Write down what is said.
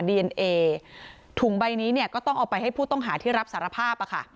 ดีเอนเอถุงใบนี้เนี่ยก็ต้องเอาไปให้ผู้ต้องหาที่รับสารภาพ